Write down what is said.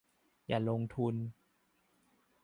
อย่าลงทุน